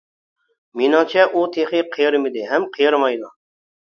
مېنىڭچە ئۇ تېخى قېرىمىدى ھەم قېرىمايدۇ.